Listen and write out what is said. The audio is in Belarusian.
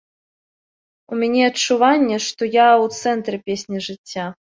У мяне адчуванне, што я ў цэнтры песні жыцця.